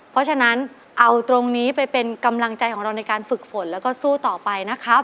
เพราะฉะนั้นเอาตรงนี้ไปเป็นกำลังใจของเราในการฝึกฝนแล้วก็สู้ต่อไปนะครับ